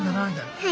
はい。